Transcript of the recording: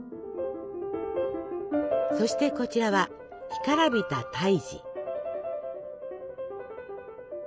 そしてこちらは「干からびた胎児」。